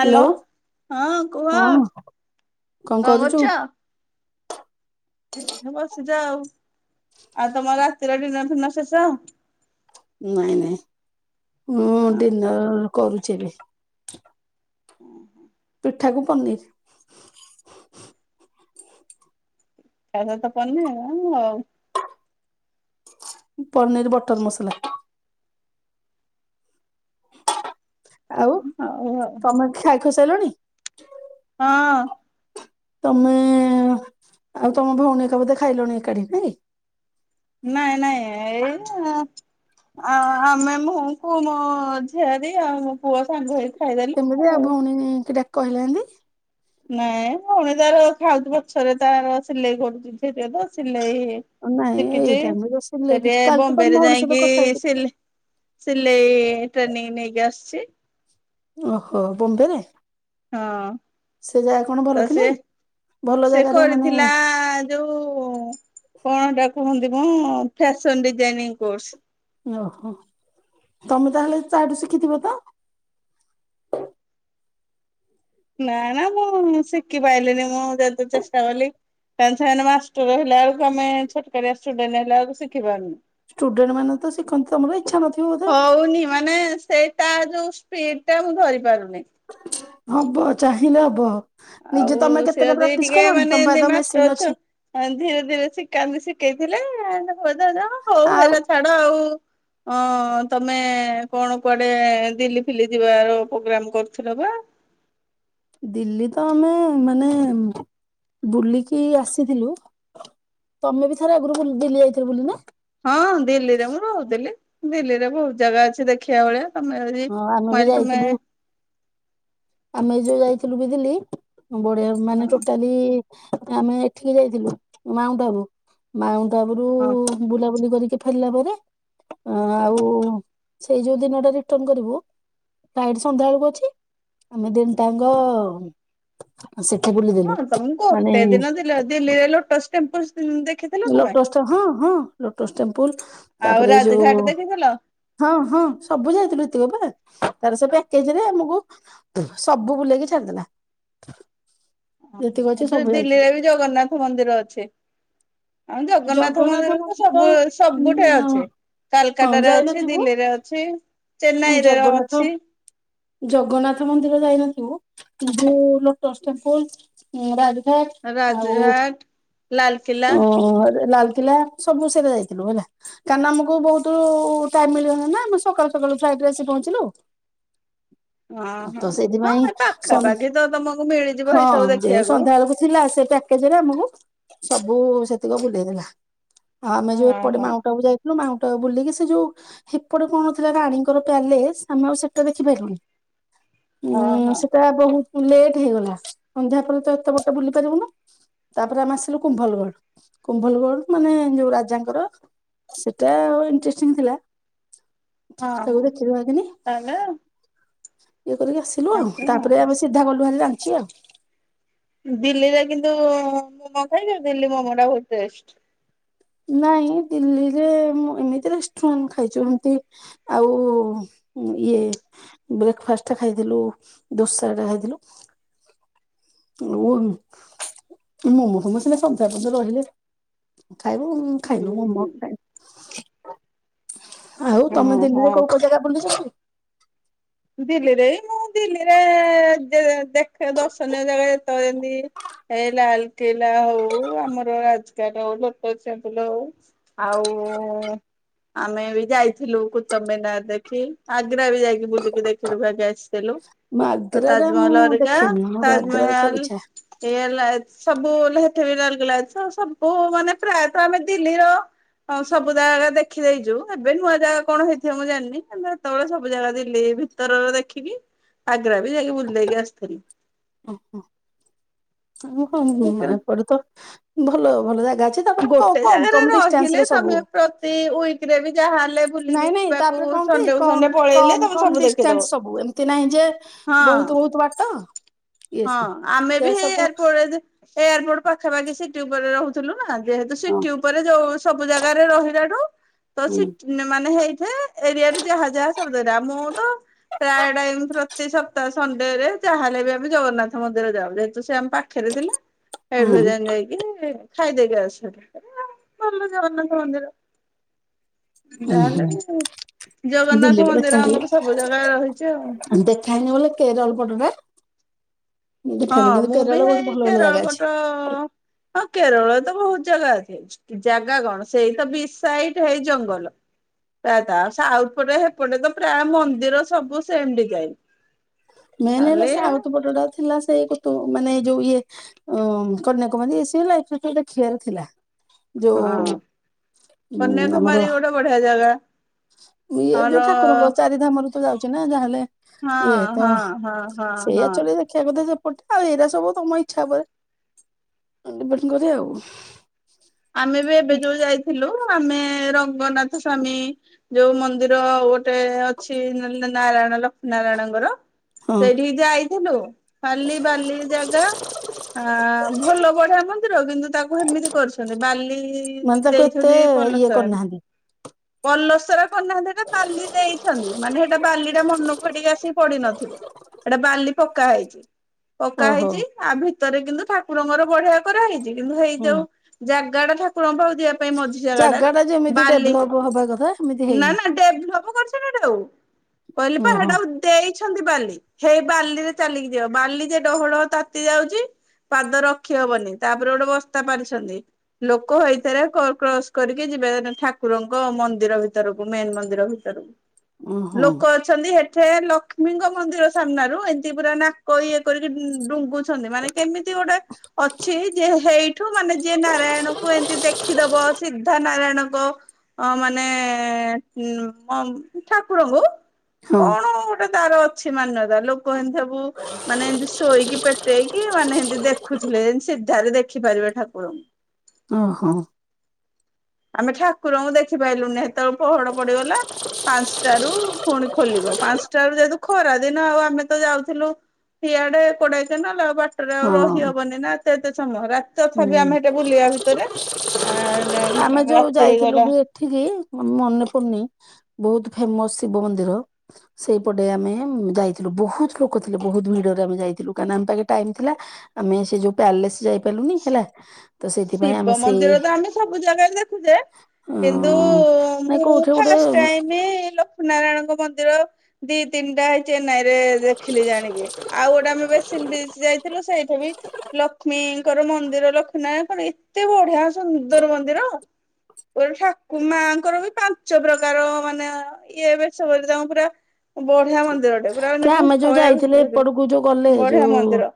Hello ହଁ କୁହ ହଁ କଣ କଣ କରୁଛୁ? କରୁଚ? ବସିଛ ଆଉ ଆଉ ତମର ରାତିର ଡିନର ଫିନର ଶେଷ? ନାଇଁ ନାଇଁ ମୁଁ ଡିନର୍ କରୁଛି ଏବେ। ଉଁ ହୁଁ। ପିଠା କୁ ପନିର୍। ପିଠା ସହିତ ପନିର [unintelligible] ପନିର ବଟର ମସଲା। ଆଉ ହଉ ଆଉ। ତମେ ଖାଇ ଖୁଇସାଲଣି? ହଁ। ତମେ ଆଉ ତମ ଭଉଣୀ ହେରିକା ବୋଧେ ଖାଇଲଣି ଏକାଠି ନାଇ? ନାଇଁ ନାଇଁ ଏଇ ଆ ଆମେ ମୁଁ କୁ ମୋ ଝିଆରୀ ଆଉ ମୋ ପୁଅ ସାଙ୍ଗ ହେଇ ଖାଇଦେଲୁ କେମିତି କିଆ ଆଉ। ଭଉଣୀ କିରା କହିଲାନି। ନାଇଁ ଭଉଣୀ ତାର ଖାଉଛି ପଛରେ ତାର ସିଲେଇ କରୁଛି ସେ ତ ସିଲେଇ ନାଇଁ ଏଇ ଶିଖିଛି ଟାଇମରେ ରୋଷେଇ ସେଯେ କିଛି କାଲି ତ ତମ ବମ୍ବେରେ ଭଉଣୀ ସହିତ ଯାଇକି କଥା ହେଇଥିଲି ସିଲେ ସିଲେଇ ଟ୍ରେନିଂ ନେଇକି ଆସିଛି। ଓହୋ ବମ୍ବେରେ? ହଁ ସେ ଜାଗା କଣ ତ ଭଲ ଥିଲା ସିଏ କି ଭଲ ସେ ଜାଗାରେ କରିଥିଲା ମାନେ ଯୋଉ କଣ ଟା କୁହନ୍ତି ମ ଫ୍ୟାସନ ଡିଜାଇନିଂ କୋର୍ସ। ଓହୋ। ତମେ ତାହେଲେ ତାଠୁ ଶିଖିଥିବ ତ? ନା ନା ମୁଁ ଶିଖିପାଇଲିିନି ମୁଁ ଯେତେ ଚେଷ୍ଟା କଲି। ତାନେ ସେମାନେ ମାଷ୍ଟର ହେଲା ବେଳକୁ ଆମେ ଛୋଟକଟିଆ ଷ୍ଟୁଡେଣ୍ଟ ହେଲା ବଳକୁ ସିକ୍ ଖି ପାରୁନୁ ଷ୍ଟୁଡେଣ୍ଟ ମାନେ ତ ଶିଖନ୍ତି ତମର ଇଚ୍ଛା ନଥିବ ବୋଧେ ହଉନି ମାନେ ସେ ତା ଯୋଉ ସ୍ପିଡ ଟା ମୁଁ ଧରି ପାରୁନି। ହବ ଚାହିଁଲେ ହବ। ଆଉ ନିଜେ ତମେ ସେ କେତେଟା ପ୍ରାକ୍ଟିସ କଲଣି ତମ ପାଖେ ତ ମେସିନ୍ ଅଛି। ଅଁ ଧୀରେ ଧୀରେ ଶିଖାନ୍ତି ଶିଖେଇଥିଲେ [unintelligible] ହଉ ହେଲା ଛା [inaudible] ହଁ ତମେ କଣ କୁଆଡେ ଦିଲ୍ଲୀ ଫିଲି ଯିବାର ପ୍ରୋଗ୍ରାମ କରୁଥିଲ ପା? ଦିଲ୍ଲୀ ତ ଆମେ ମାନେ ବୁଲିକି ଆସିଥିଲୁ। ତମେ ବି ଥରେ ଆଗରୁ ବୁ ବୁଲି ଯାଇଥିଲ ଦୀଲ୍ଲୀ ନା? ହଁ ଦିଲ୍ଲୀରେ ମୁଁ ରହୁଥିଲି, ଦିଲ୍ଲୀରେ ବହୁତ ଜାଗା ଅଛି ଦେଖିବା ଭଳିଆ। ତମେ ଯଦି ହଁ ଆମେ ବି କହିଲି ତମେ ଯାଇଥିଲୁ ଆମେ ଯୋଉ ଯାଇଥିଲୁ ବି ଦିଲ୍ଲୀ ବଢ଼ିଆ ମାନେ ହଁ ଟୋଟା ଲି ଆମେ ଏଠିକି ଯାଇଥିଲୁ ମାଉଣ୍ଟ ବାବୁ ମାଉଣ୍ଟ ବାବୁରୁ ହଁ ବୁଲାବୁଲି କରିକି ଫେରିଲା ପରେ। ଆଉ ସେଇ ଯୋଉ ଦିନଟା ରିଟର୍ଣ କରିବୁ ଫ୍ଲାଇଟ ସନ୍ଧ୍ୟା ବେଳକୁ ଅଛି ଆମେ ଦିନିଟାଙ୍କ ସେଠି ବୁଲିବୁ। ହଁ ତମକୁୁ ଗୋଟେ ଦିନ ଥିଲ ଦିଲ୍ଲିରେ ଲୋଟଷ୍ଟ ଟେମ୍ପଲ ସ୍ ଦେଖ ଲୋଟସ୍ ଟା ହଁ ହଁ ଲୋଟସ୍ ଟେମ୍ପଲ ଆଉ ତାପରେ ଏଇ ରାଜଘାଟ ଯୋଉ ଦେଖିଥିଲ? ହଁ ହଁ ସବୁ ଯାଇଥିଲୁ ଏତିକୋପା ତାର ସେ ପ୍ୟାକେଜ ରେ ଆମକୁ ସବୁ ବୁଲେଇକି ଛାଡିଦେଲା। ଯେତିକି ହଁ ଅଛି ଓ ସବୁ ଦିଲ୍ଲୀରେ ଯାଇଥିଲୁ। ବି ଜଗନ୍ନାଥ ମନ୍ଦିର ଅଛି। ଆଉ ଜଗନ୍ନାଥ ମନ୍ଦିରରେ ତ ସବୁ ଉଁ ସବୁଠାଏ ଅଛେ। କାଲ୍ ହଁ କାଟା ରେ ଅଛି, ଯାଇନଥିବୁ ଦିଲ୍ଲୀରେ ଅଛି, ନାଇଁ ଚେନ୍ନାଇରେ ଜଗନ୍ନାଥ ଅଛି। ଜଗନ୍ନାଥ ମନ୍ଦିର ଯାଇନଥିବୁ ଯୋଉ ଲୋଟସ୍ ଟେମ୍ପୁଲ୍। ଉଁ ରାଜଘାଟ ଆଉ ରାଜହାଟ ଲାଲକିଲ୍ଲା ଅ ଲାଲକିଲ୍ଲା ସବୁ ସେରା ଯାଇଥିଲୁ ହେଲା। କାନ ଆମକୁ ବହୁତ ଟାଇମ ମିଳିଗଲା ନା ଆମେ ସକାଳୁ ସକାଳୁ ଫ୍ଲାଇଟ୍ ରେ ଆସି ପହଞ୍ଚିଲୁ। [inaudible] ଓହୋ ତ ହଁ ସେଇଥିପାଇଁ ଏ ସ ପାଖାପାଖି ତ ତମକୁ ମିଳିଯିବ ହଁ ଏଇ ସବୁ ଯେଉଁ ଦେଖିବାକୁ। ସନ୍ଧ୍ୟାବେଳକୁ ଥିଲା ସେଟା କେଜେରେ ଆମକୁ ସବୁ ସେତିକ ବୁଲେଇ ଦେଲା। ଆଉ ଆମେ ଯୋଉ ଏପଟେ ଓହୋ ମାଉଣ୍ଟଆବୁ ଯାଇ ମାଉଣ୍ଟଆବୁ ବୁଲିକି ସେ ଯୋଉ ହେପଟେ କଣ ଥିଲା ରାଣୀଙ୍କର ପ୍ୟାଲେସ୍ ଆମେ ଆଉ ସେଟା ଦେଖିପାରିଲୁନି। ଉଁ ଓହୋ ସେଟା ବହୁ ଲେଟ୍ ହେଇଗଲା ସନ୍ଧ୍ୟା ପରେ ତ ଏତେ ବାଟ ବୁଲି ପାରିବୁନୁ ତାପରେ ଆମେ ଆସିଲୁ କୁମ୍ଭଲଗଡ। କୁମ୍ଭଲଗୋଡ ମାନେ ଯୋଉ ରାଜାଙ୍କର ସେଟା ଇଣ୍ଟ୍ ରେଷ୍ଟିଙ୍ଗ ଥିଲା। କଉଦଛିରୁ ଆନେ [unintelligible] ନା ଇଏ କରିକି ଆସିଲୁ ଆଉ ତାପରେ ଆମେ ସିଧା କଲୁ ଭାରି ରାଞ୍ଚି ଆଉ। ଦିଲ୍ଲୀରେ କିନ୍ତୁ ମୋମୋ ଖାଇବ ଦିଲ୍ଲୀ ମୋମୋ ଟା ବହୁତ ଟେଷ୍ଟ। ନାଇଁ ଦିଲ୍ଲୀରେ ମୁଁ ଏମିତି ରେଷ୍ଟୁରାଣ୍ଟ ଖାଇଛୁ ଏମତି ଆଉ ଇଏ ବ୍ରେକଫାଷ୍ଟ ଖାଇଥିଲୁ ଦୋସା ଟେ ଖାଇଥିଲୁ। ଉଲୁ ମୋମୋ ଫମୋ ସିନା ସକାଳ ପର୍ଯ୍ୟନ୍ତ ରହିଲେ। ଖାଇବୁ ହୁଁ ଖାଇନୁ ହୁଁ ମୋମୋ ଖାଇ ଆଉ ତମେ ହଁ ଦିଲ୍ଲୀରେ ହଁ କୋଉ କୋଉ ଜାଗା ବୁଲିଛ ସବୁ। ଦିଲ୍ଲୀରେ ଇ ମୁଁ ଦିଲ୍ଲୀରେ ଏ ଦେଖ ଦର୍ଶନୀୟ ଜାଗା ଯେତେବେଳେ ଯେମତି ଏଇ ଲାଲକିଲ୍ଲା ହଉ ଆମର ରାଜଘାଟ ହଉ ଲୋଟସ୍ ଟେମ୍ପେଲ ହଉ। ଆଉ ଆମେ ବି ଯାଇଥିଲୁ କୁତୁବୀନାର ଦେଖି ଆଗ୍ରା ବି ଯାଇକି ବୁଲିକି ଦେଖି ଦୁଖା କି ଆସି। ଲୁ ମୁଁ ଆଗ୍ରା ଟା ମୁଁ ତାଜମହଲ ହରିକ ଦେଖିନି ମୋର ଆଗ୍ରା ଦେଖିବାକୁ ତାଜମେହଲ ଇଚ୍ଛା ଏଇ ହେଲା ସବୁ ଲହଠ ବି ରାଉଲକେଲା ସବୁ ମାନେ ପ୍ରାୟତଃ ଆମେ ଦିଲ୍ଲୀର ହଁ ସବୁ ଜାଗା ଦେଖି ଦେଇଛୁ ଏବେ ନୂଆ ଜାଗା କଣ ହେଇଥିବ ମୁଁ ଜାଣିନି ସେତେବେଳେ ସବୁ ଜାଗା ଦିଲ୍ଲୀ ଉତରର ଦେଖିକି ଆଗ୍ରା ବି ଯାଇକି ବୁଲିଦେଇକି ଆସିଥିଲି। ଓହୋ ମ [inaudible] ଆଗ୍ରା ଏପଟେ ତ ଭଲ ଭଲ ଜାଗା ଅଛି। ତାପରେ କମ ଗୋଟେ କମ କମ ଜାଗାରେ ଡିଷ୍ଟାନ୍ସ ରହିଲେ ରେ ସବୁ ତମେ ପ୍ରତି ୱିକ୍ ରେ ଯାହାହେଲେ ନାଇଁ ବୁଲିକି ନାଇଁ ଯିବାକୁ ତାପରେ କଣ କି ସଣ୍ଡେ କୁ କମ ସଣ୍ଡେ ପଳେଇଲେ ତମେ ସବୁ ଦେଖିଦବ। ଚେନ୍ନାଇ ଯେ ହଁ। ବହୁତ ବହୁତ ବାଟ। ଇଏ ହଁ ସିଏ ଆମେ ବି ସେ ହେଇ ସବୁ ଏୟାରପୋଟ ଏୟାରପୋର୍ଟ ପାଖାପାଖି ସିଟି ଉପରେ ରହୁଥିଲୁ ନା ଯେହେତୁୁ ହଁ ସିଟି ଉପରେ ଯୋଉ ସବୁ ଜାଗାରେ ରହିଲାଠୁ ତ ହୁଁ ସି ଟି ମାନେ ହେଇଥାଏ ଏରିଆରେ ଯାହା ଯାହା ସବୁତକ ମୁଁ ତ ପ୍ରାୟ ଟାଇମ ପ୍ରତି ସପ୍ତାହ ସଣ୍ଡେରେ ଯାହେଲେ ବି ଆମେ ଜଗନ୍ନାଥ ମନ୍ଦିର ଯାଉ ଯେହେତୁ ସେ ଆମେ ପାଖ ପାଖିରେ ଥିଲା ହୁଁ ସେଠୁ ଏଯାଏଁ ଯାଇକି ଖାଇଦେଇକି ଆସୁ। [inaudible] ହଁ ଭଲ ଜଗନ୍ନାଥ ମନ୍ଦିର। ହୁଁ ଯାହାେଲେ ହୁଁ ବି ଜଗନ୍ନାଥ ଦିଲ୍ଲୀରେ ମନ୍ଦିର ଆମର ସବୁ ଜାଗା ରହିଛି ଆଉ ଖାଇନ ବଲେ କେ ରଲ ପଟା। ହଁ ମୁଁ ବି କେରଳରେ ବହୁତ ସେଇ ଭଲ ଭଲ କେରଳ ଜାଗା ଅଛି। ପଟ ହଁ କେରଳରେ ତ ବହୁତ ଜାଗା ଅଛି। ଜାଗା କଣ ସେଇ ତ ବିଚ୍ ସାଇଟ ହେଇ ଜଙ୍ଗଲ। ପ୍ରାୟ ସାଉପଟେ ସେପଟେ ତ ପ୍ରାୟ ମନ୍ଦିର ସବୁ ସେମ ଡିଜାଇନ। ମେନ୍ ହେଲା ସେ ସାଉଥ୍ ପଟଟା ଥିଲା ସେଇ ତ ମାନେ ଯୋଉ ଇଏ ଅ କନ୍ୟାକୁମାରି ମ ଗୋଟେ [unintelligible] ଥିଲା ଯୋଉ ହଁ ଉ ଆମର କନ୍ୟାକୁମାରୀ ଗୋଟେ ବଢିଆ ଜାଗା ଇଏ ଆମର ଯୋଉ ଠାକୁରଙ୍କ ଚାରିଧାମ ର ତ ଯାଉଛି ନା ଯାହାହେଲେ ହଁ ହଁ ହଁ ହଁ ହଁ। ଶଷା କଥା ସେପଟେ ଆଉ ଏଇରାା ସବୁ ତମ ଇଚ୍ଛା ପରେ ଡିପେ କରେ ଆଉ। ଆମେ ବି ଏବେ ଯୋଉ ଯାଇଥିଲୁ ଆମେ ରଙ୍ଗନାଥ ସ୍ଵାମୀ ଯୋଉ ମନ୍ଦିର ଗୋଟେ ଅଛି ନାରାୟଣ ଲକ୍ଷ୍ମୀ ନାରାୟଣଙ୍କର। ହଁ ସେଇଠିକି ଯାଇଥିଲୁ ଖାଲି ବାଲି ଜାଗା। ଆ ଭଲ ବଢିଆ ମନ୍ଦିର କିନ୍ତୁ ତାକୁ ଏମିତି କରୁଛ ବାଲି ମାନେ ତାକୁ ଏତେ ଦେଇଛନ୍ତି ଇଏ ପଲସ୍ତରା ଟାଏ। କରିନାହାନ୍ତି ପଲସ୍ତରା କରନାହାନ୍ତି ସେଟା ବାଲି ଦେଇଛନ୍ତି ମାନେ ସେଟା ବାଲିଟା ମନକୁ ହେଠିକି ଆସ ପଡି ନଥିବ ଏଟା ବାଲି ପକା ହେଇଛି ପକା ଓହୋ ହେଇଛି। ଆ ଭିତରେ କିନ୍ତୁ ଠାକୁରଙ୍କର ବଢିଆ କରା ହେଇଛି କିନ୍ତୁ ହୁଁ। ହେଇଯାଉ ଜାଗା ଟା ଠାକୁରଙ୍କ ପାଉ ଦିଆ ମଝି ଜାଗା ଜାଗାଟାରେ ଟା ଯେମିତି ବାଲି ଡେଭଲପ ହବା କଥା ସେମିତି ନା ହେଇନି। ନା ଡେଭଲପ କରିଛଟା ଆଉ। କହିଲି ପା ଓହୋ ସେଟାକୁ ଦେଇଛନ୍ତି ବାଲି ହେଇ ବାଲିରେ ଚାଲିକି ଯିବ ବାଲି ଯେ ଡହୋଳ ତାତି ଯାଉଛି। ପାଦ ରଖିହବନି ତାପରେ ଗୋଟେ ବସ୍ତା ପାରିଛନ୍ତି। ଲୋକ ହେଇଥାରେ କ କ୍ରସ କରିକି ଯିବେ ଠାକୁରଙ୍କ ମନ୍ଦିର ଭିତରକୁ ମେନ୍ ମନ୍ଦିର ଭି ଓହୋ ଲୋକ ଅଛନ୍ତି ହେଠେ ଲକ୍ଷ୍ମୀଙ୍କ ମନ୍ଦିର ସାମ୍ନାରୁ ଏମିତି ପୁରା ନାକ ଇଏ କରିକି ଡୁଙ୍ଗୁ ଛନ୍ତି ମାନେ କେମିତି ଗୋଟେ ଅଛି ଯେ ହେଇଠୁ ମାନେ ଯି ନା ନାରାୟଣକୁ ଏମତି ଦେଖିଦବ ସିଦ୍ଧା ନାରାୟଣଙ୍କ ଅ ମାନେ ଉ ଠାକୁରଙ୍କୁ ହଁ କଣ ଗୋଟେ ତାର ଅଛି ମାନ୍ୟତା ଲୋକ ଏମିତି ସବୁ ମାନେ ଏମିତି ଶୋଇକି ପେଟେଇକି ମାନେ ଏମିତି ଦେଖୁଥିଲେ ଯେମତି ସିଧାରେ ଦେଖିପାରିବେ ଠାକୁରଙ୍କୁ। ଓହୋ। ଆମେ ଠାକୁରଙ୍କୁ ଦେଖି ପାଇଲୁନି ହେତେବେଳେ ପହଡ ପଡିଗଲା। ପାଞ୍ଚଟାରୁ ପୁଣି ଖୋଲିବ ପାଞ୍ଚଟ ର ଯେହେତୁ ଖରା ଦିନ ଆଉ ଆମେ ତ ଯାଉଥିଲୁ ସିଆଡେ କୋଡେଇକ ନହେଲେ ଆଉ ବାଟରେ ଆଉ ହଁ ରହିହବନି ନା ଏତ ଏତେ ସମୟ ରାତି ତଥାପି ହୁଁ ଆମେ ହେଠୀ ବୁଲିବା ଭି ରେ [unintelligible] ଆମେ ଯୋଉ ଯାଇଥିଲୁ ଭି ଠିକି ମନେ ପଡୁନି ବହୁତ ଫେମସ ଶିବ ମନ୍ଦିର। ସେଇପଟେ ଆମେ ଯାଇଥିଲୁ ବହୁତ ଲୋକ ଥିଲେ ବହୁତ ଭିଡରେ ଆମେ ଯାଇଥିଲୁ କାଁନା ଆମ ପାଖେ ଟାଇମ ଥିଲା। ଆମେ ସେ ଯୋଉ ପ୍ୟାଲେସ ଯାଇପାରିଲୁନି ହେଲା। ତ ସେଇଥିପାଇଁ ଶିବ ଆମେ ସେଇ ମନ୍ଦିର ତ ଆମେ ସବୁ ଜାଗାରେ ଦେଖୁଛେ ଅ କିନ୍ତୁ ନାଇଁ ମୁଁ କୋଉଠି ଗୋଟେ ଫାର୍ଷ୍ଟ ଟାଇମ୍ ନାରାୟଣଙ୍କ ମନ୍ଦିର ଦି ତିନିଟା ହେଇ ଚେନ୍ନାଇ ରେ ଦେଖିଲି ଜାଣିକି ଆଉ ଗୋଟେ ଆମେ ବେଶିନି ବିଚ୍ ଯାଇ ଥିଲ ସେଇଠା ବି ଲକ୍ଷ୍ମୀଙ୍କର ମନ୍ଦିର ଲକ୍ଷ୍ମନା କଣ ଏତେ ବଢିଆ ସୁନ୍ଦର ମନ୍ଦିର। ଗୋଟେ ଠାକୁ ମାଙ୍କର ବି ପାଞ୍ଚ ପ୍ରକାର ମାନେ ଇଏ ବେଶ ବୋଲି ତାଙ୍କୁ ପୁରା ବଢିଆ ମନ୍ଦିର ରଟେ କି ଆମେ ଯୋଉ ଯାଇଥିଲେ ଏପଟକୁ ଯୋଉ ଗଲେ ବଢିଆ ଯୋଉ ମନ୍ଦିର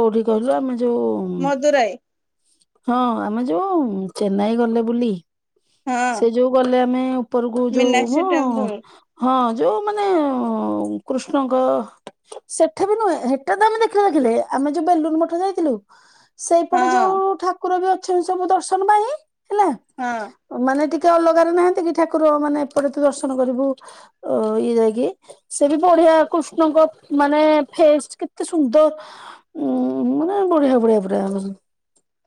କୋଉଠି କହିଲ ଆମେ ଯୋଉ ମଦୁରାଇ ହଁ ଆମେ ଯୋଉ ଚେନ୍ନାଇ ଗଲେ ବୁଲି ହଁ ସେ ଯୋଉ ଗଲେ ଆମେ ଉପରକୁ ଯୋଉ ମୀନାକ୍ଷୀ ମୁଁ ଟେମ୍ପଲ ହଁ ଯୋଉ ମାନେ କୃଷ୍ଣଙ୍କ ସେଠା ବି ନୁହେଁ ହେଟା ତ ଆମେ ଦେଖିନଥିଲେ ଆମେ ଯୋଉ ବେଲୁନୁ ମଠ ଯାଇଥିଲୁ ହଁ ସେଇପଟେ ଯୋଉ ଠାକୁର ବି ଅଛନ୍ତି ସବୁ ଦର୍ଶନ ପାଇଁ ହେଲା ହଁ। ମାନେ ଟିକେ ଅଲଗାରେ ନାହାନ୍ତି କି ଠାକୁର ମାନେ ଏପଟେ ତୁ ଦର୍ଶନ କରିବୁ ଅ ଇଏ ଯାଇକି। ସେ ବି ବଢିଆ କୃଷ୍ଣଙ୍କ ମାନେ ଫେଶ୍ ମାନେ କେତେ ସୁନ୍ଦର। ଉୁଁ ମାନେ ବଢିଆ ବଢିଆ ପୂରା [unintelligible]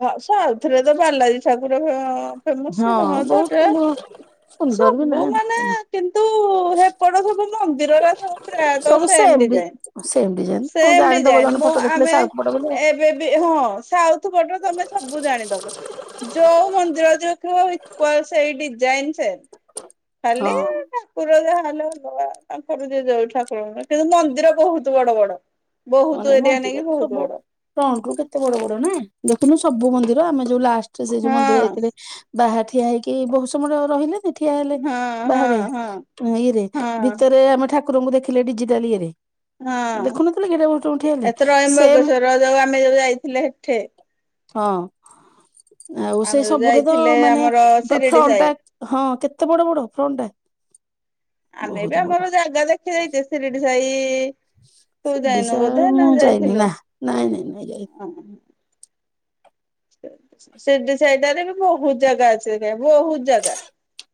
ହଁ ସାଆଉଥିରେ ତ ବାଲାଜୀ ଠାକୁର ଫେମସଇ ହଁ ତ ଏଟା ବହୁତ ସୁନ୍ଦର ବି ସବୁ ମାନେ ନା କିନ୍ତୁ ହେପଟ ସବୁ ମନ୍ଦିର ରା ସବୁ ପ୍ରାୟତ ସବୁ ସେମ ସେମ୍ ଡି ଡିଜାଇନି। ସେମ୍ ଡିଜାଇନ୍ ଆଉ ସେମ ଜାଣିଦବ ଡିଜାଇନ ଜଣେ ମୁଁ ଫଟୋ ଦେଖିଲେ ଆମେ ସାଉଥ୍ ଫଟୋ ବୋଲି ଏବେ ବି ହଁ ସାଉପ ତମେ ସବୁ ଜାଣିଦବ ଯୋଉ ମନ୍ଦିର ଯାଉଥିବା ଇକ୍ୱାଲ୍ ସେଇ ଡି ଜାଇନ୍ ସେମ ଖାଲି ହଁ। ଠାକୁର ଯାହା ହଲେ ହବ ତାଙ୍କର ଦିଏ ଯାଉ ଠାରଙ୍କ କିନ୍ତୁ ମନ୍ଦିର ବହୁତ ବଡ ବଡ। ହଁ ବହୁତ ନାଇଁ ଏରିଆ ମନ୍ଦିର ନେଇକି ତ ସବୁ ବହୁତ ବଡ। ଫ୍ରଣ୍ଟରୁ କେତେ ବଡ ବଡ ନା ଦେଖିଲୁ ସବୁ ମନ୍ଦିର। ଆମେ ଯୋଉ ଲାଷ୍ଟରେ ସେ ହଁ ଯୋଉ ମନ୍ଦିର ଯାଇଥିଲେ ବାହାରେ ଠିଆ ହେଇକି ବହୁତ ସମୟ ର-ରହିଲେ। ସେ ଠିଆ ହେଲେ ହଁ ବାହାରେ ହଁ ହଁ ଇଏରେ ହଁ। ଭିତରେ ଆମେ ଠାକୁରଙ୍କୁ ଦେଖିଲେ ଡିଜିଟାଲ ଇଏରେ। ଦେଖୁ ନ ଥିଲ କି ଏଟା ଗୋ ଏତେ ରହିମ୍ବଗେଶ୍ୱର ଯୋଉ ଆମେ ଯୋଉ ଯାଇଥିଲେ ହେଠେ। ହଁ। ଆଉ ଆମେ ସେଇ ଯୋଉ ସବୁଠି ତ ଯାଇଥିଲେ ମାନେ ଆମର ଶିରିଡି ସାଇ ଫ-ଫ୍ରଣ୍ଟ୍ଟା ହଁ କେତେ ବଡ ବଡ ଫ୍ରଣ୍ଟ୍ ଟା। ଆମେ ବହୁତ ବି ବଡ ଆମର ଜାଗା ଦେଖି ଦେଇଛେ ସିରିଡି ସାଈ। କୁ ସେ ଯାଇନ ବୋଧେ ନା ମୁଁ ଯାଇନି ଯାଇଥିଲ। ନା ନାଇଁ ନାଇଁ ନାଇଁ ଯାଇନି। ସିର୍ଡି ସାଈଟାରେ ବି ବହୁତ ଜାଗା ଅଛି, ବହୁ ଜାଗା।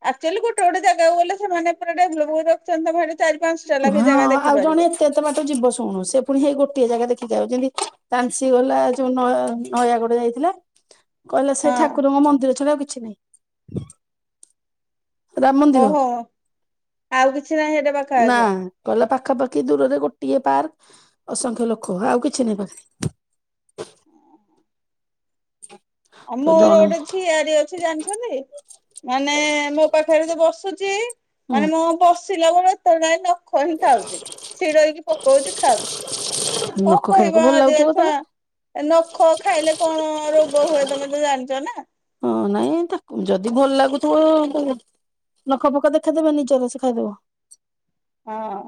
ଆକ୍ଚୁଆଲି ଗୋଟେ ଗୋଟେ ଜାଗାକୁ ଗଲେ ସେମାନେ ପୁରାଟେ [unintelligible] ରଖ୍ଚନ୍ତି। ତମେ ସେଠି ଚାରି ପାଞ୍ଚଟା ଲଖା ଜାଗା ଦେଖିପାରିବ। ସେ ଏତେ ବାଟ ଯିବ ଶୁଣୁ। ସେ ପୁଣି ହେଇ ଗୋଟିଏ ଜାଗା ଦେଖି ଯାଉ। ଯେଏନ୍ତି ତାନ୍ସି ଗଲା ଯୋଉ ନ-ନୟାଗଡ ଯାଇଥିଲା। କହିଲା ସେ ହଁ ଠାକୁରଙ୍କ ମନ୍ଦିର ଛଡା ଆଉ କିଛି ନାହିଁ। ରାମ ମନ୍ଦିର ଓହୋ ଆଉ କିଛି ନାହିଁ, ସେଇଟା ପାଖା ଆଖିଆ। କଇଲା ପାଖାପାଖି ଦୂରରେ ଗୋଟିଏ ପାର୍କ, ଅସଂଖ୍ୟ ଲୋକ ଆଉ କିଛି ନାଇଁ ପାଖରେ। ହ ଆଉ ମୋର ଗୋଟେ ଝିଆରି ଅ ଜାଣିଛନ୍ତି ମାନେ ମୋ ପାଖରେ ତ ବସୁଚି ହୁଁ ମାନେ ମୁଁ ବ ସିଲା ବେଳେ ତଳେ ଯାଇଁ ନଖ ହିଁ ଖାଉଛି। ଛିଡେଇକି ପକଉଛି, ଖାଉଛି। କଣ ନଖ ଖାଇବାକୁ କହିବ ଭଲ ଲାଗୁଥିବ ଆଜିକାଲି ଛୁଆ। ତାକୁ ନଖ ଖାଇଲେ କଣ ରୋଗ ହୁଏ, ତମେ ତ ଜାଣିଚ ନା? ହଁ ନାଇଁ ତାକୁ। ଯଦି ଭଲ ଲାଗୁଥିବ ନଖ ଫଖ ଦେଖେଇ ଦବ ନିଜର ସେ ଖାଇଦେବ। ହଁ।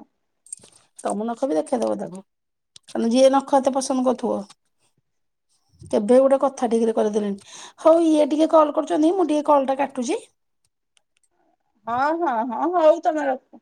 ତମ ନଖ ବି ଦେଖେଇଦବ ତାକୁ। ତମେ ଯିଏ ନଖ ଏତେ ପସନ୍ଦ କରୁଥିବ। କେବେ ଗୋଟେ କଥା ଠିକ୍ରେ କରେଇ ଦେଲେନି। ହଉ ଇଏ ଟିକେ କଲ୍ କରୁଚନ୍ତି। ମୁଁ ଟିକେ କଲ୍ଟା କାଟୁଚି। ହଁ ହଁ ହଁ ହଁ ହଉ ତମେ ରଖ।